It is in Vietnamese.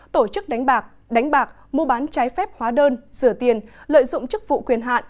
tổ chức đánh bạc đánh bạc mua bán trái phép hóa đơn rửa tiền lợi dụng chức vụ quyền hạn